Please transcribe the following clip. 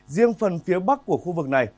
riêng phần phía bắc của khu vực này